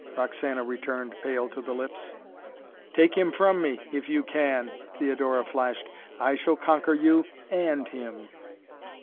Roxana returned, pale to the lips. "Take him from me if you can!" Theodora flashed. "I shall conquer you and him!"